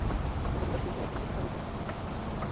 এরকম মিরাক্কেল তো একজন হিন্দুস্তানীই করতে পারে!